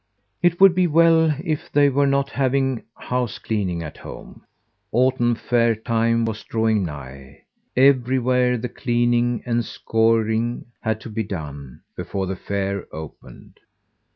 It would be well if they were not having house cleaning at home. Autumn fair time was drawing nigh, everywhere the cleaning and scouring had to be done before the fair opened.